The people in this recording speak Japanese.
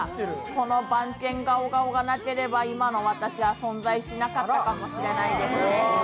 この番犬ガオガオがなければ、今の私は存在しなかったかもしれないですね。